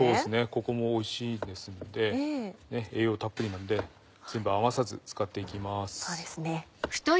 ここもおいしいですので栄養たっぷりなんで全部余さず使っていきます。